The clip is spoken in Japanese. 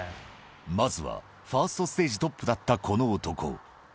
まずは、ファーストステージトップだったこの男。